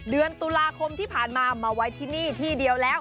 เดือนตุลาคมที่ผ่านมามาไว้ที่นี่ที่เดียวแล้ว